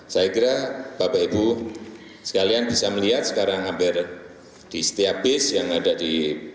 saya kira bapak ibu sekalian bisa melihat sekarang hampir di setiap bis yang ada di